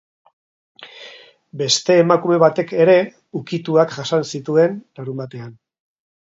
Beste emakume batek ere ukituak jasan zituen larunbatean.